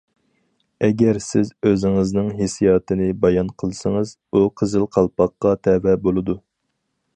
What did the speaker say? ئەگەر سىز ئۆزىڭىزنىڭ ھېسسىياتىنى بايان قىلسىڭىز، ئۇ قىزىل قالپاققا تەۋە بولىدۇ.